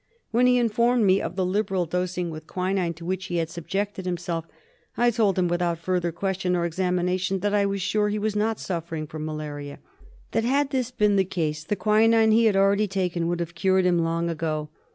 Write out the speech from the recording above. When he informed me of the liberal dosing with quinine to which he had subjected himself I told him, without further question or examination, that I was sure he was not suffering from malaria ; that had this been the case the quinine he had already taken would have cured him long ago.